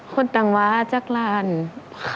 คนดังวางจักราณพอใช่ไหมค่ะ